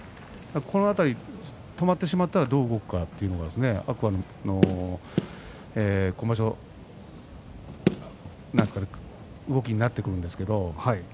止まってしまったらどう動くかというのが天空海の今場所の動きになってくるんですけれど。